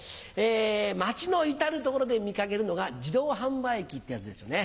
街の至る所で見かけるのが自動販売機ってやつですよね。